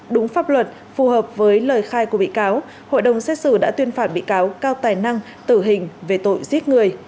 đúng pháp luật phù hợp với lời khai của bị cáo hội đồng xét xử đã tuyên phạt bị cáo cao tài năng tử hình về tội giết người